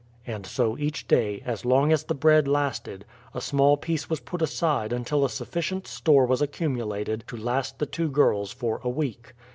And so each day, as long as the bread lasted, a small piece was put aside until a sufficient store was accumulated to last the two girls for a week.